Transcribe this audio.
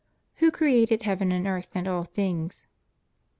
God created heaven and earth, and all things.